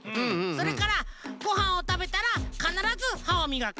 それからごはんをたべたらかならずはをみがく。